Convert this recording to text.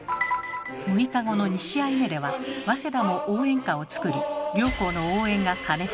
６日後の２試合目では早稲田も応援歌を作り両校の応援が過熱。